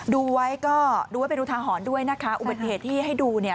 ดูไว้ก็ดูไว้เป็นอุทาหรณ์ด้วยนะคะอุบัติเหตุที่ให้ดูเนี่ย